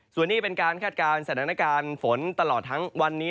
ส่วนนี้เป็นการคาดการณ์สถานการณ์ฝนตลอดทั้งวันนี้